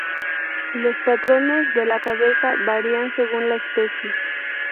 Los patrones de la cabeza varían según la especie.